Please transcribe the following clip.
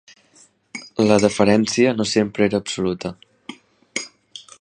La "deferència" no sempre era absoluta.